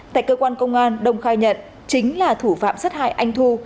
tại cơ quan công an đông khai nhận chính là thủ phạm sát hại anh thu